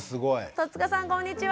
戸塚さんこんにちは！